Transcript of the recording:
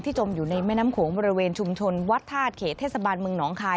จมอยู่ในแม่น้ำโขงบริเวณชุมชนวัดธาตุเขตเทศบาลเมืองหนองคาย